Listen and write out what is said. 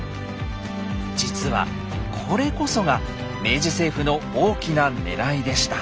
実はこれこそが明治政府の大きなねらいでした。